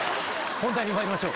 本題にまいりましょう。